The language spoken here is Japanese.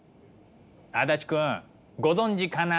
足立くんご存じかな？